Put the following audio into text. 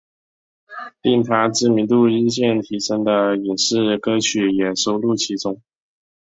令她知名度日渐提升的影视歌曲也收录其中。